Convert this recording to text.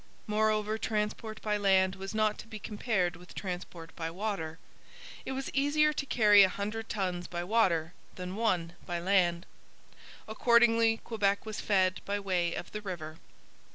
Moreover, transport by land was not to be compared with transport by water; it was easier to carry a hundred tons by water than one by land. Accordingly, Quebec was fed by way of the river.